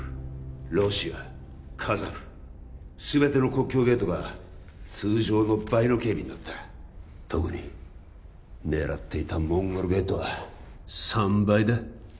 ロシアカザフ全ての国境ゲートが通常の倍の警備になった特に狙っていたモンゴルゲートは３倍だ